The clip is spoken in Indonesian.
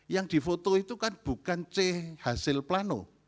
yang difoto itu kan bukan c hasil plano